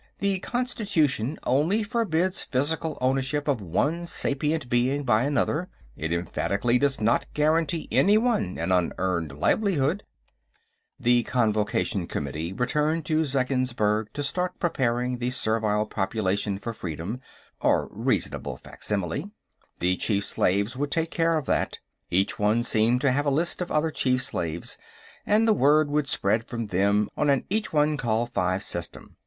The Constitution only forbids physical ownership of one sapient being by another; it emphatically does not guarantee anyone an unearned livelihood." The Convocation committee returned to Zeggensburg to start preparing the servile population for freedom, or reasonable facsimile. The chief slaves would take care of that; each one seemed to have a list of other chief slaves, and the word would spread from them on an each one call five system.